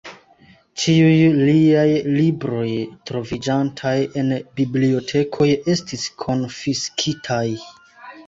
Ĉiuj liaj libroj troviĝantaj en bibliotekoj estis konfiskitaj.